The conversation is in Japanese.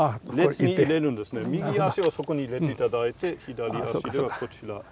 右足はそこに入れて頂いて左足ではこちら。